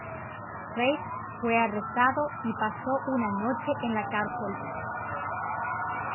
Reid fue arrestado y pasó una noche en la cárcel.